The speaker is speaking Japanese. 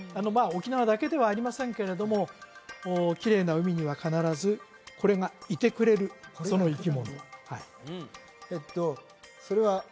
まあ沖縄だけではありませんけれどもきれいな海には必ずこれがいてくれるその生き物は？